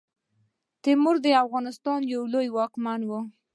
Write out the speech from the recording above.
تیمور د افغانستان لوی واکمن وو.